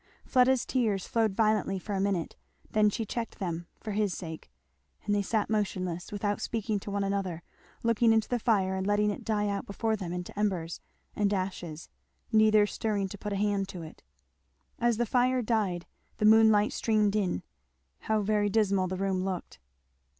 Fleda's tears flowed violently, for a minute, then she checked them, for his sake; and they sat motionless, without speaking to one another, looking into the fire and letting it die out before them into embers and ashes, neither stirring to put a hand to it. As the fire died the moonlight streamed in, how very dismal the room looked!